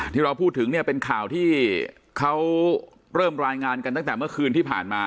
ที่เราพูดถึงเนี่ยเป็นข่าวที่เขาเริ่มรายงานกันตั้งแต่เมื่อคืนที่ผ่านมา